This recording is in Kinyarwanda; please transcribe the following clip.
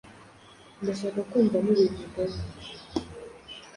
Ndashaka kumva mubivugaho.